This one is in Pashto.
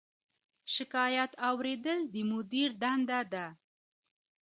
شکایت اوریدل د مدیر دنده ده